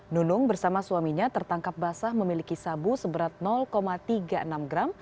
nunung bersama suaminya tertangkap basah memiliki sabu seberat tiga puluh enam gram